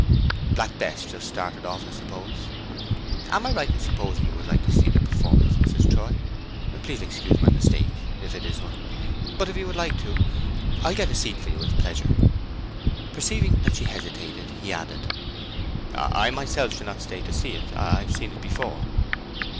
"Black Bess just started off, I suppose. Am I right in supposing you would like to see the performance, Mrs. Troy? Please excuse my mistake, if it is one; but if you would like to, I'll get a seat for you with pleasure." Perceiving that she hesitated, he added, "I myself shall not stay to see it: I've seen it before."